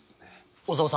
小沢さん。